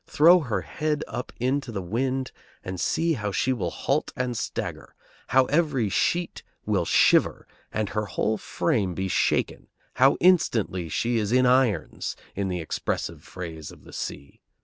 Throw her head up into the wind and see how she will halt and stagger, how every sheet will shiver and her whole frame be shaken, how instantly she is "in irons," in the expressive phrase of the sea.